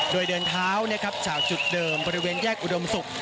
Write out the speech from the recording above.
โดยเดินเท้าจากจุดเดิมบริเวณแยกอุดมศุกร์